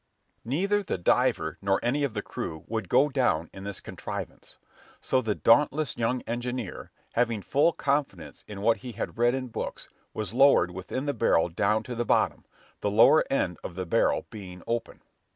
Neither the diver, nor any of the crew, would go down in this contrivance: so the dauntless young engineer, having full confidence in what he had read in books, was lowered within the barrel down to the bottom; the lower end of the barrel being open.